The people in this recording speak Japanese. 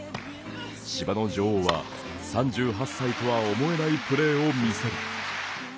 芝の女王は、３８歳とは思えないプレーを見せる。